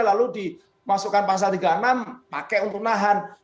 lalu dimasukkan pasal tiga puluh enam pakai untuk nahan